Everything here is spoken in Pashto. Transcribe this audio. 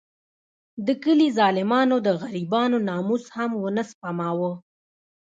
د کلي ظالمانو د غریبانو ناموس هم ونه سپماوه.